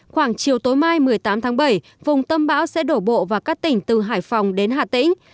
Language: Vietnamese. khoảng chiều tối mai một mươi tám tháng bảy vùng tâm bão sẽ đổ bộ vào các tỉnh từ hải phòng đến hà tĩnh